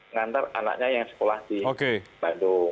ngantar anaknya yang sekolah di bandung